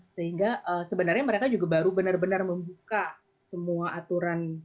sehingga sebenarnya mereka juga baru benar benar membuka semua aturan